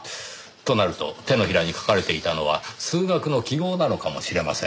となると手のひらに書かれていたのは数学の記号なのかもしれません。